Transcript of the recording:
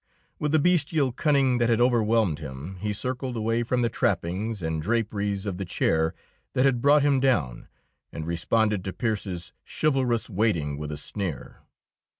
With the bestial cunning that had overwhelmed him, he circled away from the trappings and draperies of the chair that had brought him down, and responded to Pearse's chivalrous waiting with a sneer.